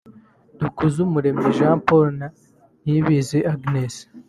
Dukuzumuremyi Jean Paul na Niyibizi Agnes